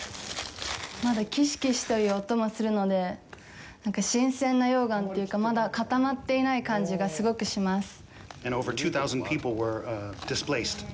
まだキシキシという音もするので新鮮な溶岩というかまだ固まっていない感じがすごくします。